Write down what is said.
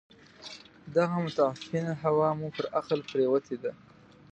دغه متعفنه هوا مو پر عقل پرېوته ده.